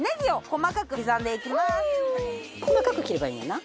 細かく切ればいいんやな？